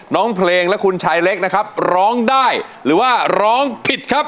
น้องเพลงและคุณชายเล็กนะครับร้องได้หรือว่าร้องผิดครับ